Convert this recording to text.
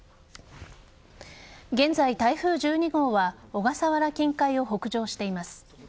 現在、台風１２号は小笠原近海を北上しています。